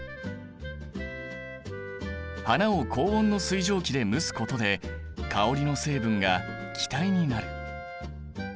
花を高温の水蒸気で蒸すことで香りの成分が気体になる。